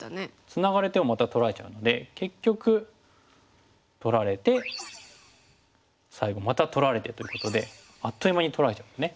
ツナがれてもまた取られちゃうので結局取られて最後また取られてということであっという間に取られちゃいますね。